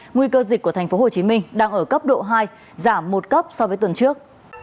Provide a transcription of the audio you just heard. nguy cơ dịch của tp hcm đang ở cấp độ hai giảm một cấp so với tuần trước